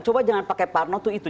coba jangan pakai parno tuh itu